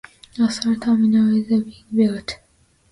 A third terminal is being built.